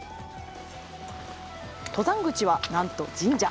登山口はなんと神社。